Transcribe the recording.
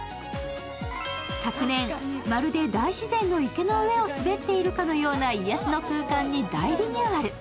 昨年、まるで大自然の池の上を滑っているような癒やしの空間に大リニューアル。